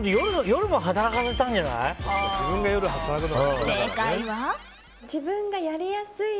夜も働かせたんじゃない？